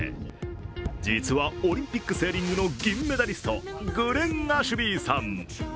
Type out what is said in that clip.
実はオリンピック、セーリングの銀メダリストグレン・アシュビーさん。